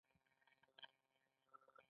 خطر د تل لپاره لیري کړ.